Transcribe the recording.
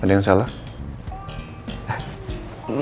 ada yang salah